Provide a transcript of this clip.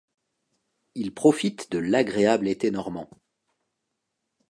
Ils profitent de l'agréable été normand.